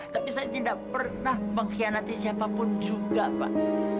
tapi saya tidak pernah mengkhianati siapapun juga pak